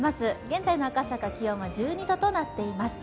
現在の赤坂、気温は１２度となっています。